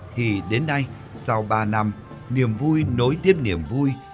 thì đến nay sau ba năm niềm vui nối tiếp niềm vui